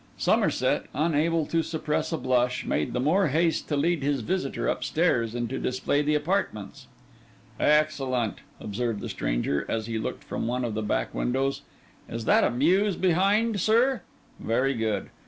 Somerset, unable to suppress a blush, made the more haste to lead his visitor upstairs and to display the apartments. 'Excellent,' observed the stranger, as he looked from one of the back windows. 'Is that a mews behind, sir? Very good.